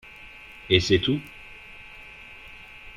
Et c'est tout